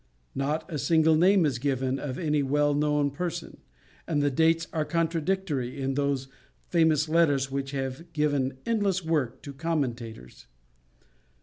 Not a single name is given of any well known person, and the dates are contradictory in those famous letters which have given endless work to commentators.